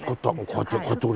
こうやって。